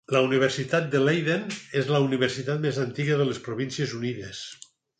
La Universitat de Leiden és la universitat més antiga de les Províncies Unides.